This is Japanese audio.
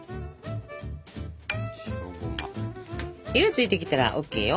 色ついてきたらＯＫよ。